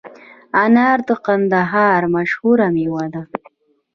انار د کندهار مشهوره مېوه ده